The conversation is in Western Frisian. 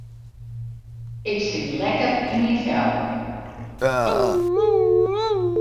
Ik sit lekker yn myn fel.